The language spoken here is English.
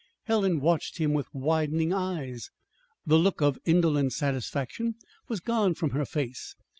Helen watched him with widening eyes. The look of indolent satisfaction was gone from her face.